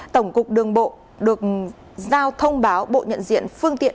tổng cục đường bộ được giao thông báo bộ nhận diện phương tiện